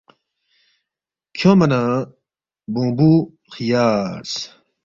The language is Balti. کھیونگما نہ بونگبُو خیارس